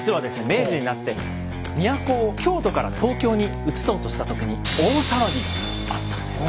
明治になって都を京都から東京にうつそうとした時に大騒ぎがあったんです。